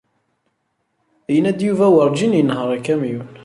Yenna-d Yuba werǧin yenher akamyun.